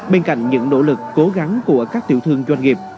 bên cạnh những nỗ lực cố gắng của các tiểu thương doanh nghiệp